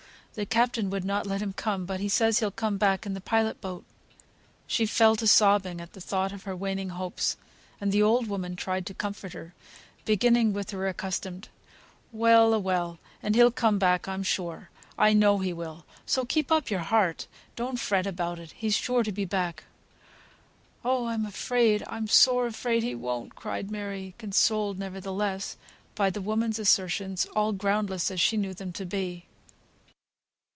The captain would not let him come, but he says he'll come back in the pilot boat." She fell to sobbing at the thought of her waning hopes, and the old woman tried to comfort her, beginning with her accustomed, "Well a well! and he'll come back, I'm sure. I know he will; so keep up your heart. Don't fret about it. He's sure to be back." "Oh! I'm afraid! I'm sore afraid he won't," cried Mary, consoled, nevertheless, by the woman's assertions, all groundless as she knew them to be.